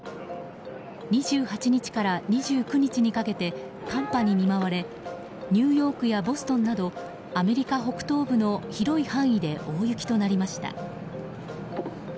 ２８日から２９日かけて寒波に見舞われニューヨークやボストンなどアメリカ北東部の広い範囲で大雪となりました。